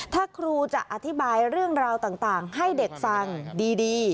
ถ้าครูจะอธิบายเรื่องราวต่างให้เด็กฟังดี